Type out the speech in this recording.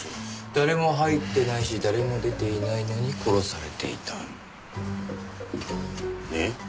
誰も入ってないし誰も出ていないのに殺されていた。ね？